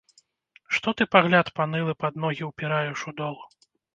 Што ты пагляд панылы пад ногі ўпіраеш, у дол?